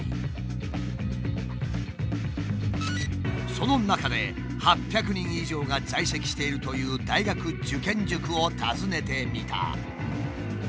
その中で８００人以上が在籍しているという大学受験塾を訪ねてみた。